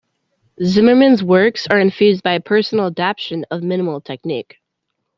Zimmermann's works are infused by a personal adaptation of minimal technique.